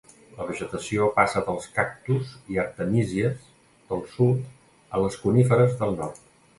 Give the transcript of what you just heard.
La vegetació passa dels cactus i artemísies del sud a les coníferes del nord.